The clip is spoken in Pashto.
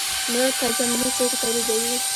نور تجملي توکي تولیدوي.